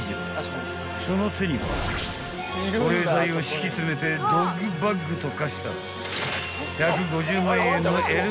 ［その手には保冷剤を敷き詰めてドッグバッグと化した］